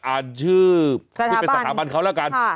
อ่านชื่อที่เป็นสถาบันเขาแล้วกัน